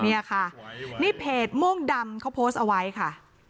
เนี่ยค่ะนี่เพจม่วงดำเขาโพสต์เอาไว้ค่ะ